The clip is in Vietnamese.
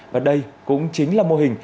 và đây cũng chính là mô hình